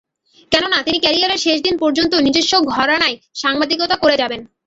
কেননা, তিনি ক্যারিয়ারের শেষ দিন পর্যন্ত নিজস্ব ঘরানায় সাংবাদিকতা করে যাবেন।